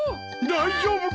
大丈夫か？